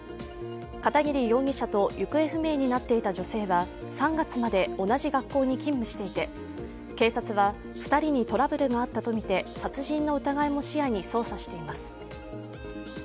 片桐容疑者と行方不明になっていた女性は３月まで同じ学校に勤務していて、警察は２人にトラブルがあったとみて殺人の疑いも視野に捜査しています。